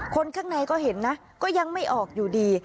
คนข้างในก็เห็นนะก็ยังไม่ออกอยู่ดี